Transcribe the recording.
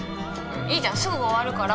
いいじゃんすぐ終わるから。